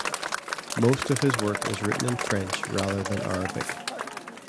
Most of his work is written in French rather than Arabic.